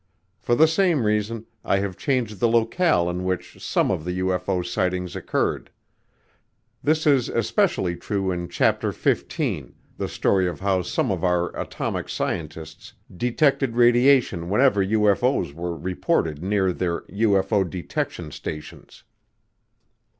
For the same reason I have changed the locale in which some of the UFO sightings occurred. This is especially true in chapter fifteen, the story of how some of our atomic scientists detected radiation whenever UFO's were reported near their "UFO detection stations."